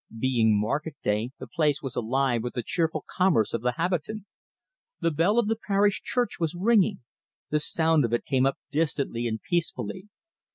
Being market day, the place was alive with the cheerful commerce of the habitant. The bell of the parish church was ringing. The sound of it came up distantly and peacefully.